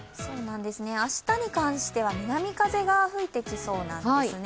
明日に関しては南風が吹いてきそうなんですね。